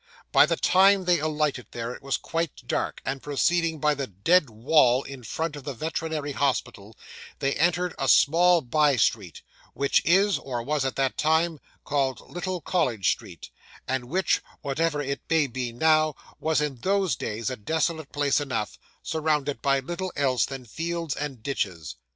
By the time they alighted there, it was quite dark; and, proceeding by the dead wall in front of the Veterinary Hospital, they entered a small by street, which is, or was at that time, called Little College Street, and which, whatever it may be now, was in those days a desolate place enough, surrounded by little else than fields and ditches.